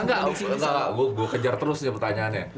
enggak enggak enggak enggak gue kejar terus nih pertanyaannya